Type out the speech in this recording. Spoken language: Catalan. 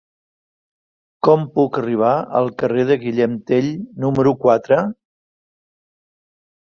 Com puc arribar al carrer de Guillem Tell número quatre?